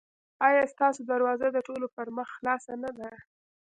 ایا ستاسو دروازه د ټولو پر مخ خلاصه نه ده؟